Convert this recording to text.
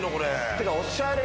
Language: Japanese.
てかおしゃれ。